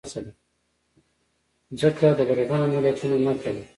مځکه د لرغونو ملتونو نښه ده.